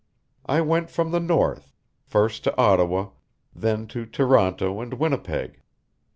I went from the north, first to Ottawa, then to Toronto and Winnipeg.